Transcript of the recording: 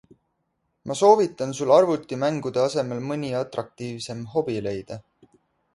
Ma soovitan sul arvutimängude asemel mõni atraktiivsem hobi leida.